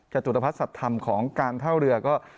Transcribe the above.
จุดภัทรศัตริย์ธรรมของการเท่าเรือก็